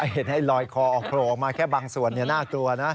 เห็นลอยคอออกลงมาแค่บางส่วนน่ากลัวนะ